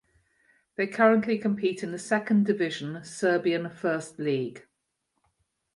They currently compete in the second division Serbian First League.